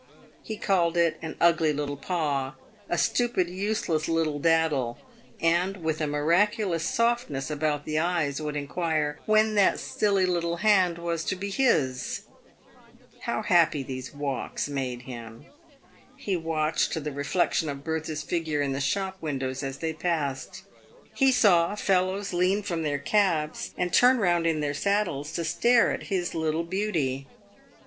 He called it " an ugly little paw," "a stupid, useless little daddle," and, with a miraculous softness about the eyes, would inquire " when that silly little hand was to be his ?" How happy these walks made him. He watched the reflexion of Bertha's figure in the shop windows as they passed. He saw fellows lean from their cabs, and turn round in their saddles to stare at his little beauty.